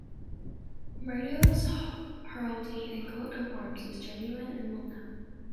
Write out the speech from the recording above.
Medeiros heraldry and coat of arms is genuine and well known.